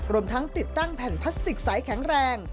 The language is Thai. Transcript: รวมทั้งติดตั้งแผ่นพลาสติกใสแข็งแรง